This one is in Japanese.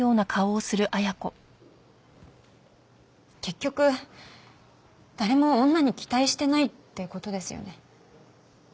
結局誰も女に期待してないって事ですよね。